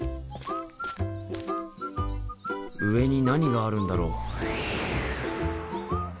上に何があるんだろ？